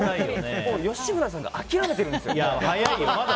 本当に吉村さんが諦めているんですよ。